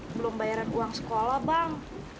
belum bayaran uang sekolah bang